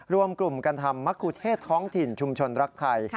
รวมกลุ่มกันทำมะคุเทศท้องถิ่นชุมชนรักไทย